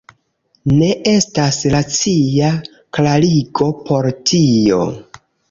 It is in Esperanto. Ne estas racia klarigo por tio.